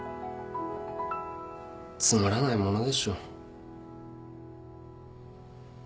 つまらないものでしょ。